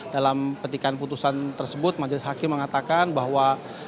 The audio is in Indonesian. dalam petikan putusan tersebut majelis hakim mengatakan bahwa